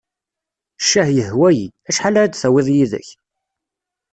Ccah yehwa-yi. Acḥal ara d-tawiḍ yid-k?